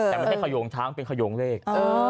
แต่ไม่ใช่ท้างขยงแต่ขยงเลข